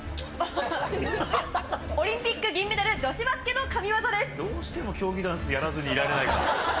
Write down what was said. オリンピック銀メダル女子バどうしても競技ダンスやらずにいられないか。